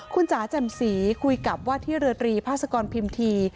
คุณจ๋าแจ่มสีคุยกับว่าที่เรือตรีภาษกรพิมพี